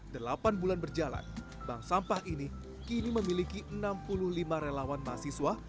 delapan bulan berjalan bank sampah ini kini memiliki enam puluh lima relawan mahasiswa